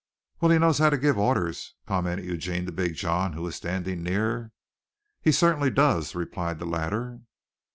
"Well, he knows how to give orders," commented Eugene to Big John, who was standing near. "He certainly does," replied the latter.